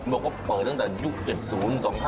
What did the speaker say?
ต้องพบเปิดตั้งแต่ยุค๗๐๒๕๑๕